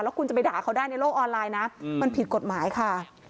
แล้วคุณจะไปด่าเขาได้ในโลกออนไลน์นะมันผิดกฎหมายค่ะ